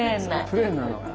プレーンなのが。